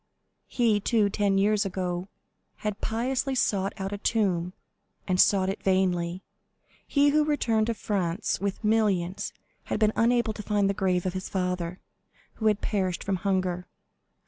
He, too, ten years ago, had piously sought out a tomb, and sought it vainly. He, who returned to France with millions, had been unable to find the grave of his father, who had perished from hunger.